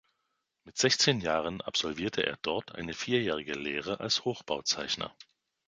Mit sechzehn Jahre absolvierte er dort eine vierjährige Lehre als Hochbauzeichner.